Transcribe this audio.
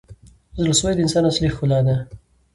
• زړه سوی د انسان اصلي ښکلا ده.